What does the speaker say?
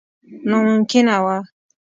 ناممکنه وه.